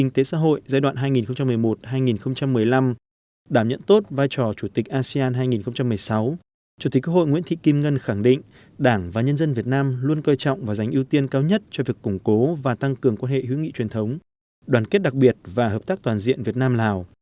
ngoạn hai nghìn một mươi một hai nghìn một mươi năm đảm nhận tốt vai trò chủ tịch asean hai nghìn một mươi sáu chủ tịch quốc hội nguyễn thị kim ngân khẳng định đảng và nhân dân việt nam luôn cơ trọng và giành ưu tiên cao nhất cho việc củng cố và tăng cường quan hệ hữu nghị truyền thống đoàn kết đặc biệt và hợp tác toàn diện việt nam lào